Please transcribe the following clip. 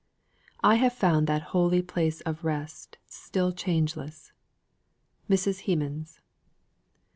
"I have found that holy place of rest Still changeless." MRS. HEMANS.